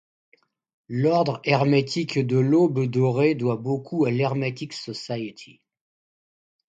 L'Ordre hermétique de l'Aube dorée doit beaucoup à l'Hermetic society.